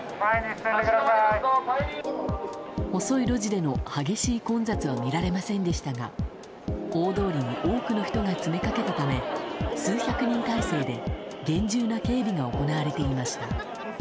細い路地での激しい混雑は見られませんでしたが大通りに多くの人が詰めかけたため数百人態勢で厳重な警備が行われていました。